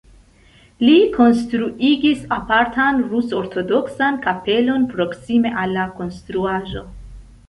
Li konstruigis apartan rus-ortodoksan kapelon proksime al la konstruaĵo.